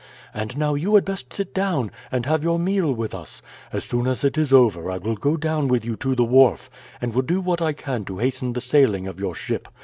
And now you had best sit down and have your meal with us. As soon as it is over I will go down with you to the wharf, and will do what I can to hasten the sailing of your ship.